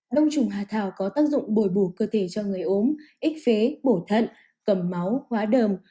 đông trùng hà thảo có tác dụng bồi bù cơ thể cho người ốm x phế bổ thận cầm máu hóa đờm